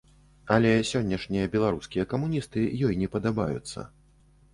Але сённяшнія беларускія камуністы ёй не падабаюцца.